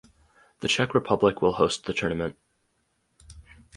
The Czech Republic will host the tournament.